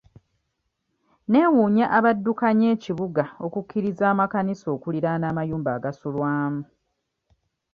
Neewuunya abaddukanya ekibuga okukkiriza amakanisa okuliraana amayumba agasulwamu.